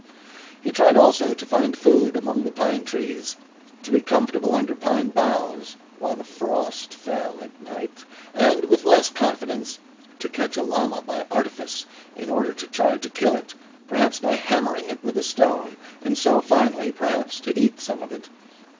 He tried also to find food among the pine trees, to be comfortable under pine boughs while the frost fell at night, and with less confidence to catch a llama by artifice in order to try to kill it perhaps by hammering it with a stone and so finally, perhaps, to eat some of it.